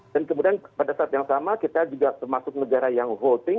dan kemudian pada saat yang sama kita juga termasuk negara yang voting